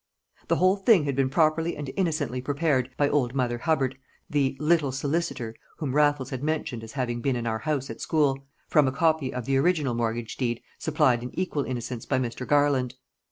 The whole thing had been properly and innocently prepared by old Mother Hubbard, the "little solicitor" whom Raffles had mentioned as having been in our house at school, from a copy of the original mortgage deed supplied in equal innocence by Mr. Garland.